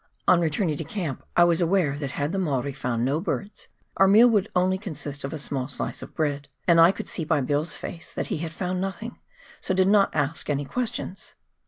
On returning to camp I was aware that had the Maori found no birds our meal would only consist of a small slice of bread ; and I could see by Bill's face that he had found nothing, so did not ask any questions.